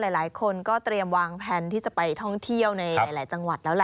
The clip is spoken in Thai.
หลายคนก็เตรียมวางแผนที่จะไปท่องเที่ยวในหลายจังหวัดแล้วล่ะ